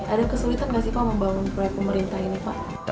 ada kesulitan nggak sih pak membangun proyek pemerintah ini pak